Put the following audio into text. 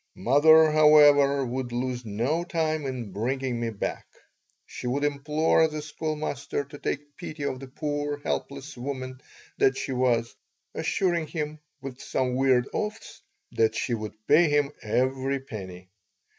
Mother, however, would lose no time in bringing me back. She would implore the schoolmaster to take pity on the poor, helpless woman that she was, assuring him, with some weird oaths, that she would pay him every penny.